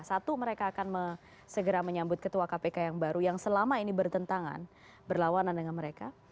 satu mereka akan segera menyambut ketua kpk yang baru yang selama ini bertentangan berlawanan dengan mereka